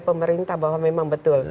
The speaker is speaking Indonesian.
pemerintah bahwa memang betul